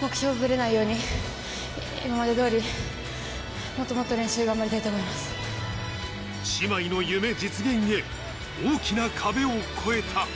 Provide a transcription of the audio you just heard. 目標ぶれないように、今までどおり、もっともっと練習頑張りたい姉妹の夢実現へ、大きな壁を超えた。